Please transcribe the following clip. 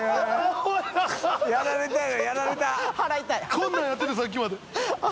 こんなんやってたさっきまで。